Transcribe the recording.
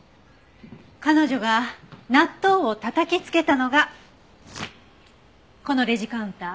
彼女が納豆をたたきつけたのがこのレジカウンター。